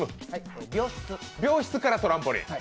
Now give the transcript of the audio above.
病室からトランポリン。